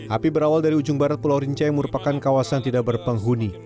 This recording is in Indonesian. api berawal dari ujung barat pulau rinca yang merupakan kawasan tidak berpenghuni